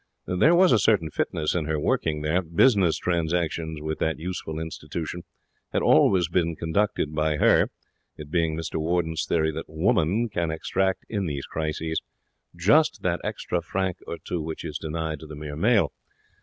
There was a certain fitness in her working there. Business transactions with that useful institution had always been conducted by her, it being Mr Warden's theory that Woman can extract in these crises just that extra franc or two which is denied to the mere male.